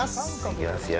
行きますよ。